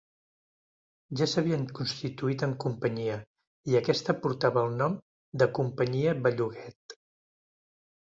Ja s’havien constituït en companyia i aquesta portava el nom de Companyia Belluguet.